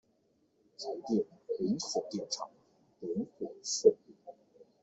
台電林口電廠點火順利